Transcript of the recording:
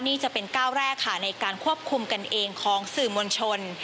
นี่จะเป็นก้าวแรกค่ะในการควบคุมกันเองของสื่อมวลชน